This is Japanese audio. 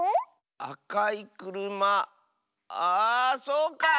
あかいくるまあそうか！